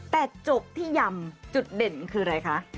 แต่จบที่ยำจุดเด่นคืออะไรคะ